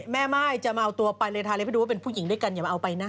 แม่ม่ายจะมาเอาตัวไปเลยทาเล็บให้ดูว่าเป็นผู้หญิงด้วยกันอย่ามาเอาไปนะ